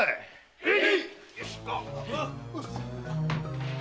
へい。